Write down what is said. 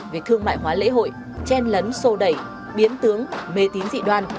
về thương mại hóa lễ hội chen lấn sô đẩy biến tướng mê tín dị đoan